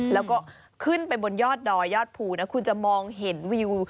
แล้วก็ขึ้นไปบนยอดดอยยอดภูนะคุณจะมองเห็นวิว